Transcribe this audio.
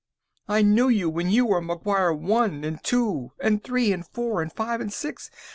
"... I knew you when you were McGuire One, and Two, and Three, and Four, and Five, and Six.